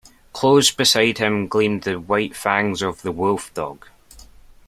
Close beside him gleamed the white fangs of the wolf-dog.